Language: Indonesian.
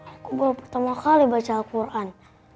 aku baru pertama kali baca alquran